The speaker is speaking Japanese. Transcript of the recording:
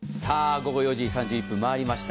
午後４時３１分を回りました。